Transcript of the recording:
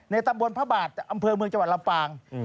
ตำบลพระบาทอำเภอเมืองจังหวัดลำปาง